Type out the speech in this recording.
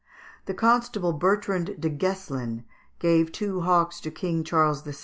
The Constable Bertrand du Guesclin gave two hawks to King Charles VI.